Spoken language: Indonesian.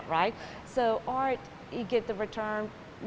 jadi art bisa mendapatkan keuntungan